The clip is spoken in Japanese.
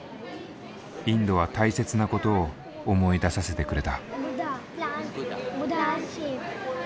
インドは大切なことを思い出させてくれた。